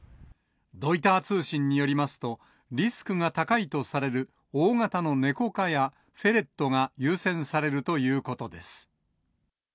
ロイター通信によりますと、リスクが高いとされる大型のネコ科やフェレットが優先されるということです。